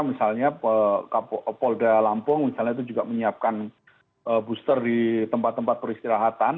misalnya polda lampung misalnya itu juga menyiapkan booster di tempat tempat peristirahatan